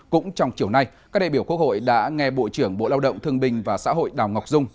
cũng trong chiều nay các đại biểu quốc hội đã nghe bộ trưởng bộ lao động thương bình và xã hội đào ngọc dung